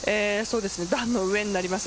段の上になります。